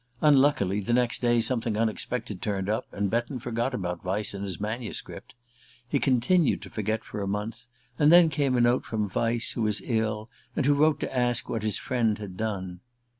Unluckily the next day something unexpected turned up, and Betton forgot about Vyse and his manuscript. He continued to forget for a month, and then came a note from Vyse, who was ill, and wrote to ask what his friend had done.